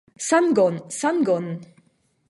Sangon, sangon!